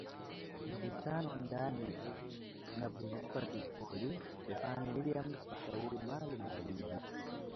mvutano ndani na kuzunguka Tripoli, Stephanie Williams mshauri maalum kwa Libya